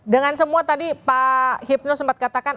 dengan semua tadi pak hipno sempat katakan